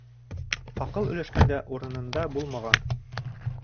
Аҡыл өләшкәндә урынында булмаған.